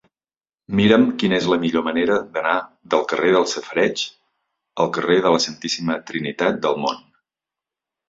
Mira'm quina és la millor manera d'anar del carrer dels Safareigs al carrer de la Santíssima Trinitat del Mont.